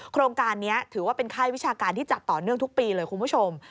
โครงการนี้ถือว่าเป็นค่ายวิชาการที่จัดต่อเนื่องทุกปีเลยคุณผู้ชม